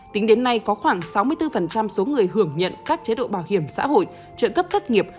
tính đến nay có khoảng sáu mươi bốn số người hưởng nhận các chế độ bảo hiểm xã hội trợ cấp thất nghiệp